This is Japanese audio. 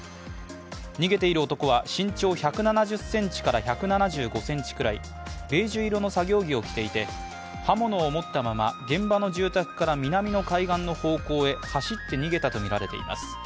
逃げている男は身長１７０ｃｍから１７５ｃｍくらいベージュ色の作業着を着ていて、刃物を持ったまま現場の住宅から南の海岸の方向へ走って逃げたとみられています。